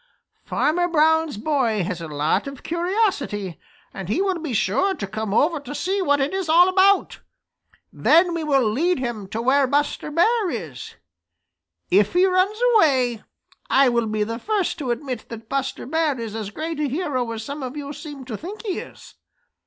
Farmer Brown's boy has a lot of curiosity, and he will be sure to come over to see what it is all about. Then we will lead him to where Buster Bear is. If he runs away, I will be the first to admit that Buster Bear is as great a hero as some of you seem to think he is.